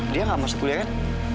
dia nggak masuk kuliah kan